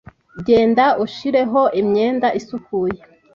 Genda ushireho imyenda isukuye.